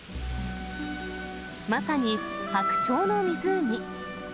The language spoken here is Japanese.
まさに白鳥の湖。